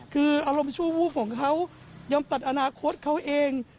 คืออารมณ์ชั่ววูบของเขายอมตัดอนาคตเขาเอง